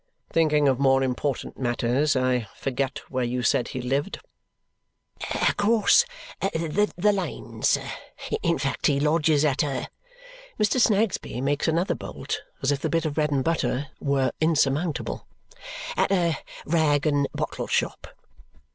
"Thinking of more important matters, I forget where you said he lived?" "Across the lane, sir. In fact, he lodges at a " Mr. Snagsby makes another bolt, as if the bit of bread and butter were insurmountable " at a rag and bottle shop."